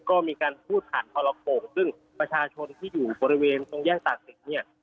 ก็มีการพูดผ่านทรโขงซึ่งประชาชนที่อยู่บริเวณตรงแยกตากศิลป์เนี่ย